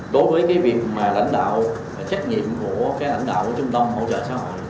đối với cái việc mà lãnh đạo trách nhiệm của cái lãnh đạo trung tông hỗ trợ xã hội